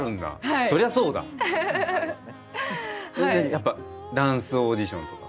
やっぱダンスオーディションとか。